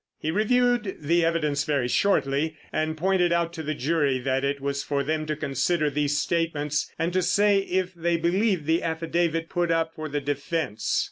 He reviewed the evidence very shortly, and pointed out to the jury that it was for them to consider these statements and to say if they believed the affidavit put up for the defence.